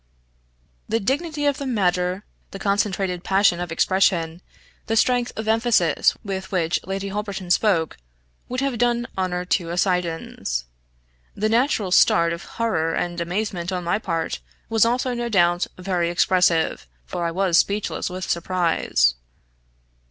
The dignity of manner, the concentrated passion of expression, the strength of emphasis with which Lady Holberton spoke, would have done honor to a Siddons. The natural start of horror and amazement on my part, was also, no doubt, very expressive for I was speechless with surprise.